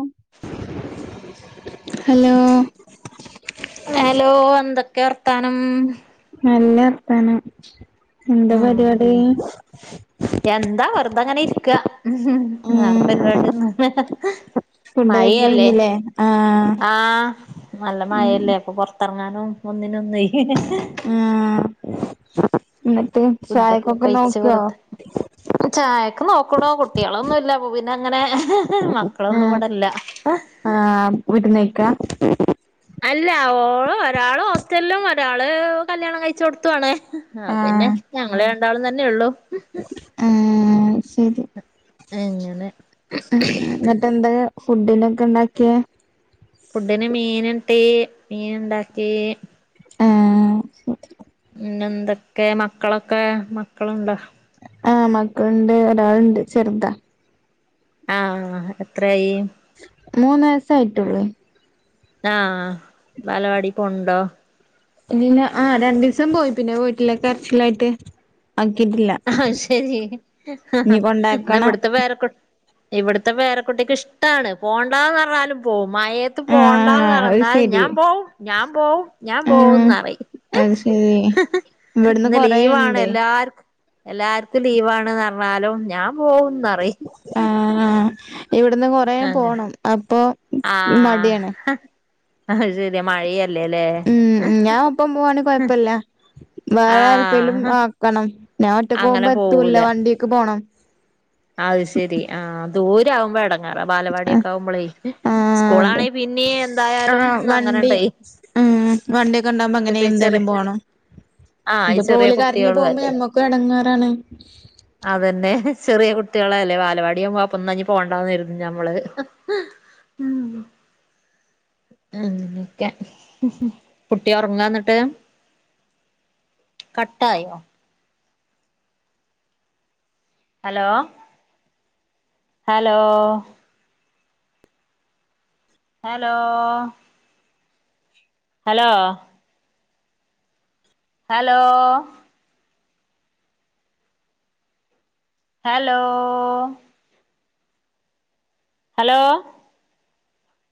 [inaudible] Hello hello എന്തൊക്കെയാ വർത്താനം? നല്ല വർത്താനം എന്താ ഉം പരിപാടി? എന്താ വെറുതങ്ങനെ ഇരിക്ക വേറെ ഉം പരിപാടിയൊന്നൂല്ല. ഫുഡൊക്കെ മയയല്ലേ കഴിഞ്ഞില്ലേ ആഹ് ആഹ് നല്ല മയയല്ലേ അപ്പൊ പുറ ത്തിറങ്ങാനും ഒന്നിനൊന്നേയ് ആഹ് എന്നിട്ട് ഫുഡൊക്കെ ചായക്കൊക്കെ കഴിച്ച് നോക്കിയോ? വെറുതെ ചായക്ക് നോക്കണു കുട്ടികളൊന്നുംല്ല അപ്പൊ പിന്നെ അങ്ങനെ മക്കളൊന്നും ആഹ് ഇവിടെ ഇല്ല. ആഹ് വിരുന്നേക്കാ. അല്ല ഓള് ഒരാള് ഹോസ്റ്റലിലും ഒരാള് കല്യാണം കഴിച്ചോടത്തും ആണ്. ആഹ് പിന്നെ ഞങ്ങള രണ്ടാളും തന്നെ ഉള്ളൂ. ആഹ് സരി. അങ്ങനെ ഇന്ന്ട്ട് എന്തക ഫുഡിനൊക്ക ഇണ്ടാക്ക്യെ? ഫുഡിന് മീന്ട്ടീ. മീന് ഇണ്ടാക്കീ. ആഹ്. ശ പിന്നെ എന്തൊക്കേ മക്കളൊക്കെ. മക്കള്ണ്ടൊ? ആഹ് മക്കള്ണ്ട്. ഒരാള്ണ്ട് ചെറ്ത. ആഹ് എത്രായി. മൂന്ന് വയസ്സായിട്ടൊള്ളൊയ്. ആഹ് വാലവാടി പോണ് ണ്ടൊ? ഇല്ല. ആഹ് രണ്ടീസം പോയി. പിന്നെ പോയിട്ടില്ല. കരച്ച്ലായിട്ട് ആക്കീട്ടില്ല. ആഹ് ശരി. ഇന്ന കൊണ്ടാക്കണം ഇവിട്ത്തെ പേരെക്കു ഇവിട്ത്തെ പേരക്കുട്ടിക്ക് ഇഷ്ടാണ്. പോണ്ടാന്നർഞ്ഞാലും പോവും. മഴേ ത്ത് പോണ്ടാന്ന് ആഹ് അത് പറഞ്ഞാ ശരി ഞാൻ പോവും ഞാൻ പോവും ഞാൻ ആഹ് പോവുംന്നറയും. അത് ശരി ഇവിടുന്ന് ഇന്ന് ലീവാണ് കൊറേണ്ട് എല്ലാർ എല്ലാർക്കും ലീവാണ് ന്നർഞ്ഞാലും ഞാൻ പോവുന്നറയ് ആഹ് ആഹ് ഇവിട്ന്ന് കൊറേ അങ്ങനെ പോണം അപ്പൊ മട്യാണ്. ആഹ് അത് ശരിയ മഴീ അ ഉം ഉം ഞാ ഒപ്പം പോവാണെ കൊഴപ്പല്ല. വേറെ ആരെപ്പേലും ആഹ് ആക്കണം. ഞാ ഒറ്റക്ക് അങ്ങനെ പോവുമ്പൊ പോവൂല എത്തൂല്ല. വണ്ടിക്ക് പോണം. അത് ശരി. ആഹ് ദൂരിവുമ്പൊ എട ങ്ങേറ ആഹ് വാലവാടിയൊക്ക ആവുമ്പളെ. ആഹ് അതെ സ്കൂളാണെ പിന്നെ എന്തായാലും ആഹ് വണ്ടി ന്നങ്ങനണ്ടെ ഉം വണ്ട്യൊക്ക ഇണ്ടാവുമ്പൊ അങ്ങനെ എന്തായാലും പോണം. ആഹ് ഈ ഇതിപ്പോ ചെറിയ ഓല് കര്ഞ്ഞ് കുട്ടികളും പോവുമ്പൊ അല്ലേ ഞമ്മക്കും എടങ്ങേറാണ്. അതന്നെ ചെറീ കു ട്ടീളല്ലെ. വാലവാടിയാവുമ്പൊ അപ്പൊന്ന ഇഞ്ഞി പോണ്ടന്നെരുതും ഞമ്മള്. ഉം ഉം ക്കെ. കുട്ടി ഒർങ്ങാന്ന്ട്ട്. കട്ടായൊ? Hello hello. Hello hello hello hello hello